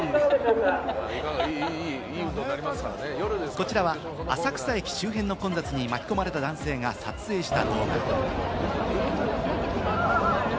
こちらは浅草駅周辺の混雑に巻き込まれた男性が撮影した動画。